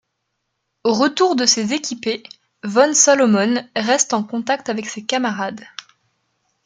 Au retour de ces équipées, von Salomon reste en contact avec ses camarades.